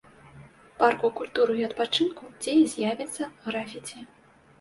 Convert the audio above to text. Парку культуры і адпачынку, дзе і з'явіцца графіці.